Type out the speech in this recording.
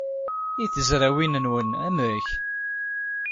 I tezrawin-nwen, amek?